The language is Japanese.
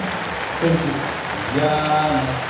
転勤か。